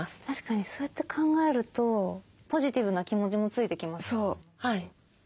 確かにそうやって考えるとポジティブな気持ちもついてきます。